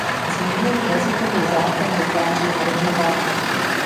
Zmíněný jazykový zákon vytváří nerovnováhu.